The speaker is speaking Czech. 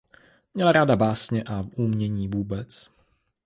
Měla ráda básně a umění vůbec.